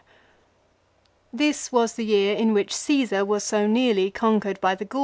This was the year in which Caesar was so nearly con 1 Ad Fam.